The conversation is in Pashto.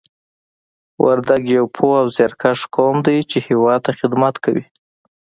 وردګ یو پوه او زیارکښ قوم دی چې هېواد ته خدمت کوي